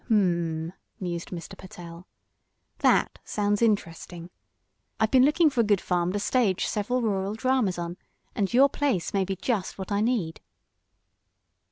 "Hum," mused Mr. Pertell. "That sounds interesting. I've been looking for a good farm to stage several rural dramas on, and your place may be just what I need."